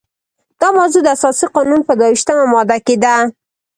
دا موضوع د اساسي قانون په دوه ویشتمه ماده کې ده.